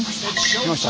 来ました。